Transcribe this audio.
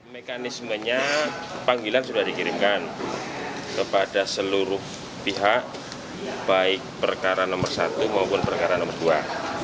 mekanismenya panggilan sudah dikirimkan kepada seluruh pihak baik perkara nomor satu maupun perkara nomor dua